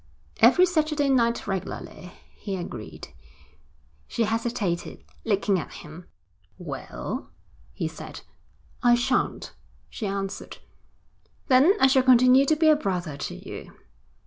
'Every Saturday night regularly,' he agreed. She hesitated, looking at him. 'Well?' he said. 'I shan't,' she answered. 'Then I shall continue to be a brother to you.'